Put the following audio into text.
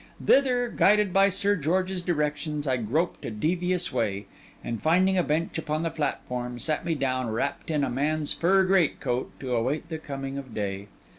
Thither, guided by Sir George's directions, I groped a devious way; and finding a bench upon the platform, sat me down, wrapped in a man's fur great coat, to await the coming of the day.